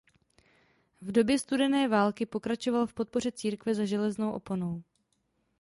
V době studené války pokračoval v podpoře církve za železnou oponou.